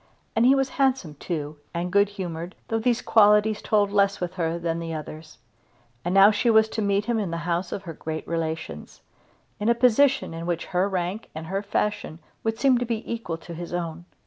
And he was handsome too, and good humoured, though these qualities told less with her than the others. And now she was to meet him in the house of her great relations, in a position in which her rank and her fashion would seem to be equal to his own.